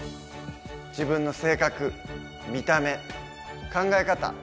自分の性格見た目考え方